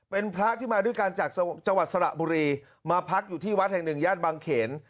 เป็นพระที่มาด้วยกันจากจังหวัดสระบุรีมาพักอยู่ที่วัดแห่งหนึ่งย่านบางเขน